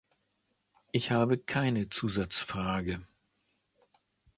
Ich habe keine Zusatzfrage.